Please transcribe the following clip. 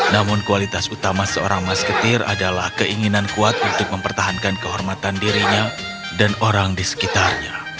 namun kualitas utama seorang masketir adalah keinginan kuat untuk mempertahankan kehormatan dirinya dan orang di sekitarnya